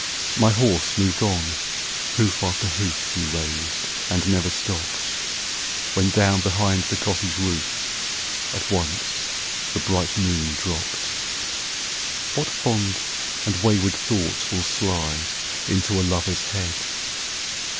20 My horse moved on; hoof after hoof He raised, and never stopped: When down behind the cottage roof, At once, the bright moon dropped. What fond and wayward thoughts will slide Into a Lover's head!